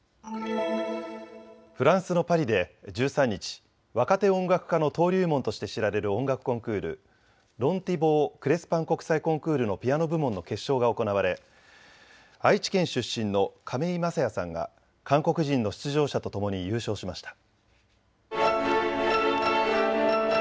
フランスのパリで１３日、若手音楽家の登竜門として知られる音楽コンクール、ロン・ティボー・クレスパン国際コンクールのピアノ部門の決勝が行われ愛知県出身の亀井聖矢さんが韓国人の出場者と共に優勝しました。